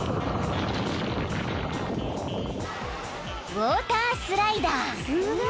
［ウオータースライダー］